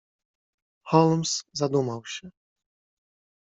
"Holmes zadumał się."